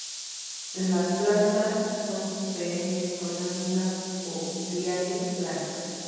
Las plantas son perennes con láminas foliares planas.